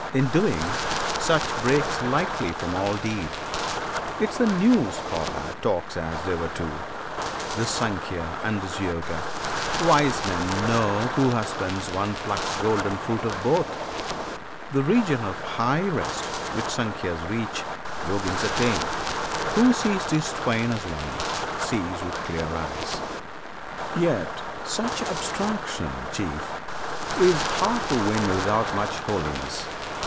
In doing, such breaks lightly from all deed: 'Tis the new scholar talks as they were two, This Sankhya and this Yoga: wise men know Who husbands one plucks golden fruit of both! The region of high rest which Sankhyans reach Yogins attain. Who sees these twain as one Sees with clear eyes! Yet such abstraction, Chief! Is hard to win without much holiness.